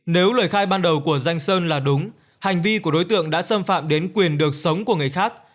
nếu lời khai ban đầu của danh sơn là đúng hành vi của đối tượng đã xâm phạm đến quyền được sống của người khác